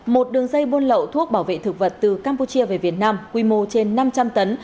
một đường dây buôn lậu thuốc bảo vệ thực vật từ campuchia về việt nam quy mô trên năm trăm linh tấn